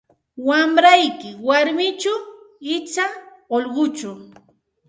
Wamrayki warmichu icha ullquchu?